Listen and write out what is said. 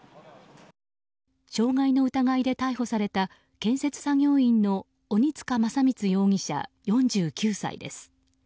傷害の疑いで逮捕された建設作業員の鬼塚将光容疑者、４９歳です。